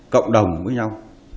cộng đồng với nhau